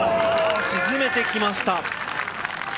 沈めてきました。